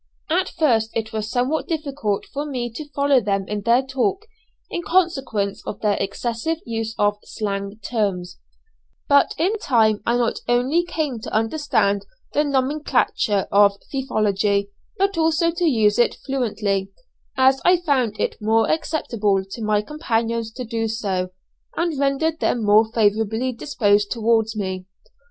At first it was somewhat difficult for me to follow them in their talk, in consequence of their excessive use of "slang" terms; but in time I not only came to understand the nomenclature of thiefology, but also to use it fluently, as I found it more acceptable to my companions to do so, and rendered them more favourably disposed towards me.